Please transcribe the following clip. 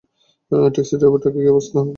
Taxi ড্রাইভারটার কী অবস্থা?